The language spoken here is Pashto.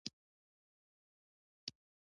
سیکهانو له دغه فرصت څخه ګټه واخیستله.